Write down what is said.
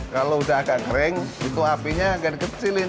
kalau udah agak kering itu apinya agak di kecilin